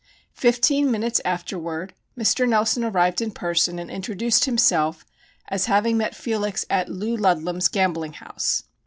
Fifteen minutes afterward Mr. Nelson arrived in person and introduced himself as having met Felix at "Lou" Ludlam's gambling house.